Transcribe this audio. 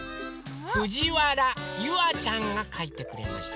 ふじわらゆあちゃんがかいてくれました。